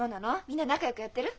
みんな仲よくやってる？